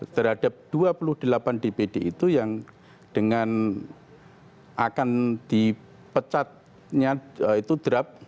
terhadap dua puluh delapan dpd itu yang dengan akan dipecatnya itu draft